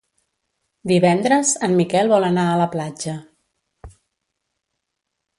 Divendres en Miquel vol anar a la platja.